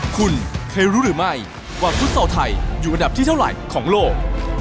คุณเคยรู้หรือไม่ว่าฟุตซอลไทยอยู่อันดับที่เท่าไหร่ของโลก